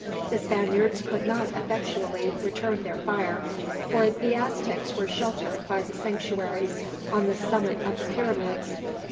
The Spaniards could not effectually return their fire, for the Aztecs were sheltered by the sanctuaries on the summit of the pyramids.